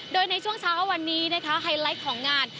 โดยในช่วงเช้าวันนี้นะคะไฮไลท์ของงาน